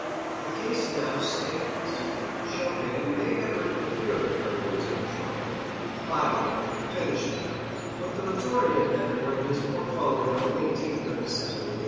The case now stands: Chopin may have written a few of the Preludes at Majorca, filed them, finished them, but the majority of them were in his portfolio in 1837 and 1838.